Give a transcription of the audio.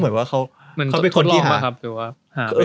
เหมือนทดลองหรอ